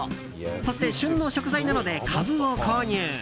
そして、旬の食材なのでカブを購入。